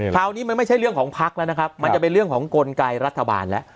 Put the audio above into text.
คราวนี้มันไม่ใช่เรื่องของพักแล้วนะครับมันจะเป็นเรื่องของกลไกรัฐบาลแล้ว